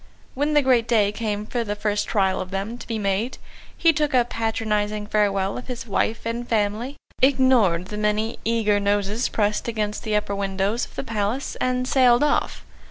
When the great day came for the first trial of them to be made, he took a patronising farewell of his wife and family, ignored the many eager noses pressed against the upper windows of the Palace, and sailed off.